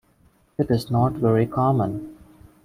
It is not very common.